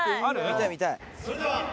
見たい見たい。